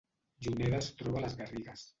Juneda es troba a les Garrigues